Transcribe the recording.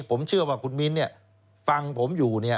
ผมเชื่อว่าคุณมินฟังผมอยู่